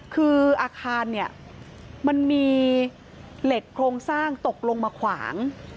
คืออาคารเนี่ยมันมีเหล็กโครงสร้างตกลงมาขวาง